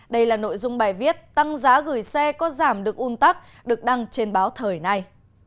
đây là nội dung bài viết tăng giá gửi xe có giảm được un tắc được đăng trên báo thời nay